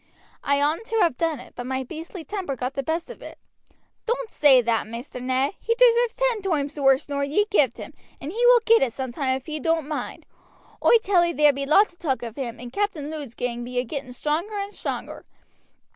"I oughtn't to have done it, but my beastly temper got the best of it." "Doan't say that Maister Ned; he deserves ten toimes worse nor ye gived him, and he will get it some time if he doan't mind. Oi tell ee there be lots of talk of him, and Captain Lud's gang be a getting stronger and stronger.